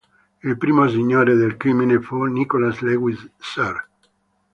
Il primo Signore del Crimine fu Nicholas Lewis Sr.